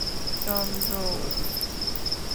– চন্দ্র।